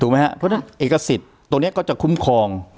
ถูกไหมฮะเพราะฉะนั้นเอกสิทธิ์ตรงเนี้ยก็จะคุ้มครอง